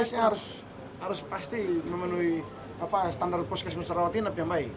alkesnya harus pasti memenuhi standar puskesmas rawatinya yang baik